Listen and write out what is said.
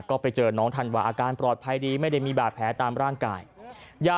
ก็ไปเจอน้องธันวาอาการปลอดภัยดีไม่ได้มีบาดแผลตามร่างกาย